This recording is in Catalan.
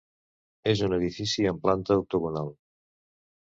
És un edifici amb planta octogonal.